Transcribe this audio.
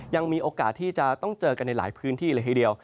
ยังมีโอกาสที่จะต้องเจอกันในหลายพื้นที่เลยทีเดียว